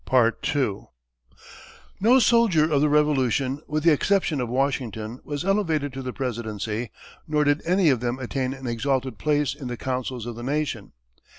No soldier of the Revolution, with the exception of Washington, was elevated to the presidency, nor did any of them attain an exalted place in the councils of the Nation.